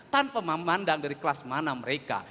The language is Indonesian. tanpa memandang dari kelas mana mereka